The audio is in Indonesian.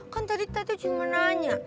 kan tadi tata cuma nanya